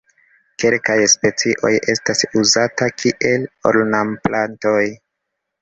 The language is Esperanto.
Kelkaj specioj estas uzataj kiel ornamplantoj.